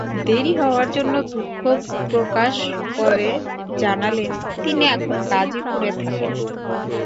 দেরি হওয়ার জন্য দুঃখ প্রকাশ করে জানালেন, তিনি এখন গাজীপুরে থাকেন।